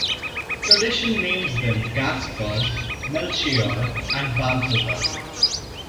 Tradition names them Gaspar, Melchior and Balthasar.